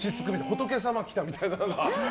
仏様来たみたいな。